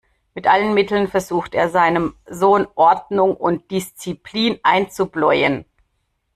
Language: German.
Mit allen Mitteln versucht er, seinem Sohn Ordnung und Disziplin einzubläuen.